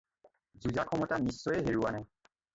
যুজা ক্ষমতা নিশ্চয়েই হেৰুৱা নাই।